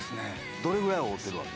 どれぐらいおうてるわけ？